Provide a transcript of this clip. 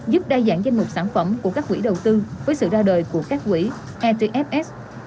giúp đa dạng danh mục sản phẩm của các quỹ đầu tư với sự ra đời của các quỹ etf